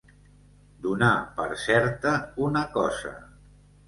Donar per certa una cosa.